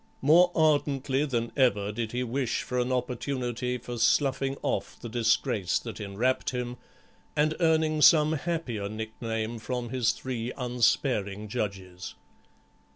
More ardently than ever did he wish for an opportunity for sloughing off the disgrace that enwrapped him, and earning some happier nickname from his three unsparing judges.